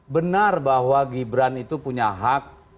benar bahwa gibran itu punya hak